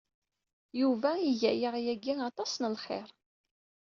Yuba iga-aɣ yagi aṭas n lxir.